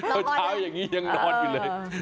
เช้าอย่างนี้ยังนอนอยู่เลย